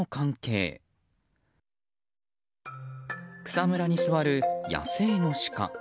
草むらに座る野生のシカ。